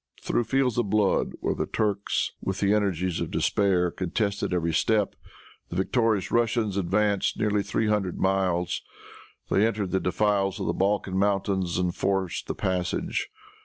Through fields of blood, where the Turks, with the energies of despair, contested every step, the victorious Russians advanced nearly three hundred miles. They entered the defiles of the Balkan mountains, and forced the passage.